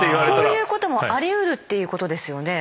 そういうこともありうるっていうことですよね？